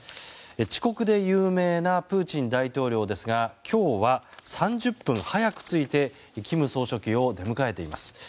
遅刻で有名なプーチン大統領ですが今日は３０分早く着いて金総書記を出迎えています。